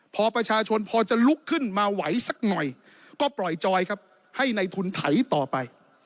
พอประชาชนพอจะลุกขึ้นมาไหวสักหน่อยก็ปล่อยจอยครับให้ในทุนไถต่อไป